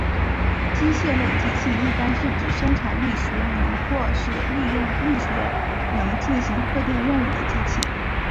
机械类机器一般是指产生力学能或是利用力学能进行特定任务的机器。